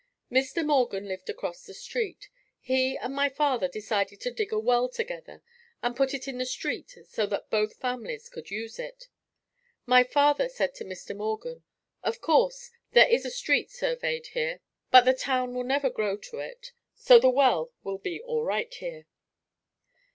Mr. Morgan lived across the street. He and my father decided to dig a well together and put it in the street so that both families could use it. My father said to Mr. Morgan, "Of course, there is a street surveyed here, but the town will never grow to it, so the well will be alright here."